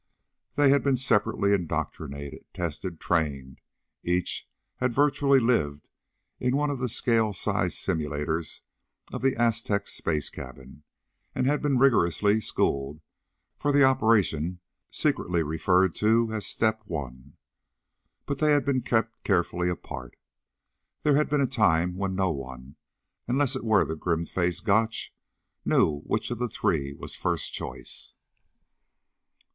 They had been separately indoctrinated, tested, trained; each had virtually lived in one of the scale size simulators of the Aztec's space cabin, and had been rigorously schooled for the operation secretly referred to as "Step One." But they had been kept carefully apart. There had been a time when no one unless it were the grim faced Gotch knew which of the three was first choice.